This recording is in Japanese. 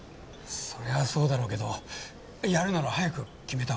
そりゃそうだろうけどやるなら早く決めたほうがいい。